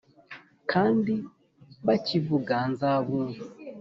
Kandi bakivuga nzabumva